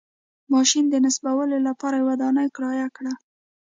ماشین د نصبولو لپاره ودانۍ کرایه کړه.